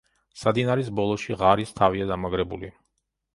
სადინარის ბოლოში ღარის თავია დამაგრებული.